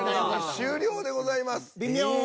終了でございます。